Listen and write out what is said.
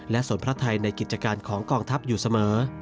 และส่วนพระไทยในกิจการของกองทัพอยู่เสมอ